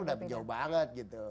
sudah jauh banget gitu